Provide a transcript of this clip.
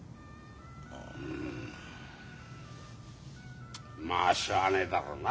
うんまあしゃあねえだろうな。